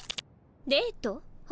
デート？は？